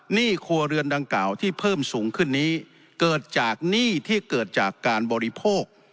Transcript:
หนี้ครัวเรือนดังกล่าวที่เพิ่มสูงขึ้นนี้เกิดจากหนี้ที่เกิดจากการบริโภค